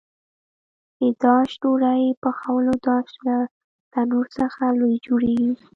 د داش ډوډۍ پخولو داش له تنور څخه لوی جوړېږي.